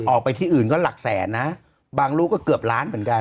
ออกไปที่อื่นก็หลักแสนนะบางลูกก็เกือบล้านเหมือนกัน